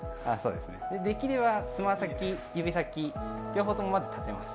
できれば、つま先の指先を両方ともまず立てます。